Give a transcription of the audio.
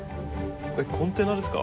コンテナですか？